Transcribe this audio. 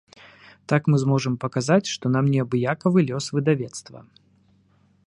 Так мы зможам паказаць, што нам неабыякавы лёс выдавецтва.